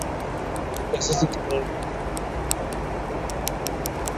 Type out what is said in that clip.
na sisi tunaamini